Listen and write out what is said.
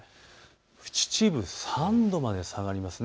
秩父３度まで下がります。